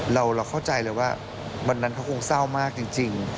เราเข้าใจเลยว่าวันนั้นเขาคงเศร้ามากจริง